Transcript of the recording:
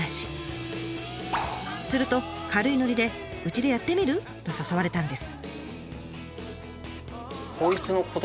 すると軽いノリで「うちでやってみる？」と誘われたんです。